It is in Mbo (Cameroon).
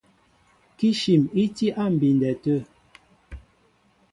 Kíshim í tí á mbindɛ tê.